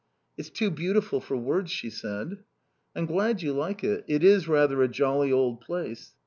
"It's too beautiful for words," she said. "I'm glad you like it. It is rather a jolly old place."